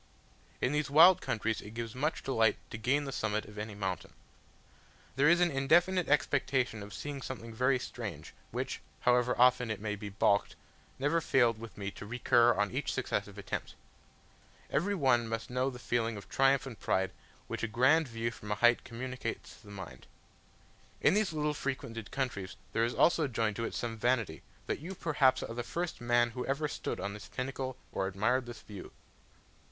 In these wild countries it gives much delight to gain the summit of any mountain. There is an indefinite expectation of seeing something very strange, which, however often it may be balked, never failed with me to recur on each successive attempt. Every one must know the feeling of triumph and pride which a grand view from a height communicates to the mind. In these little frequented countries there is also joined to it some vanity, that you perhaps are the first man who ever stood on this pinnacle or admired this view.